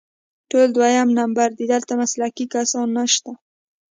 ټول دویم نمبر دي، دلته مسلکي کسان نشته